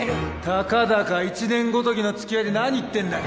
たかだか１年ごときのつきあいで何言ってんだよ。